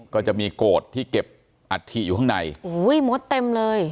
ก็จะมีโกรธที่เก็บอัฐิอยู่ข้างในอุ้ยมดเต็มเลย